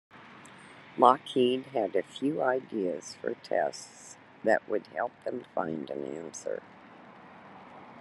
Lockheed had a few ideas for tests that would help them find an answer.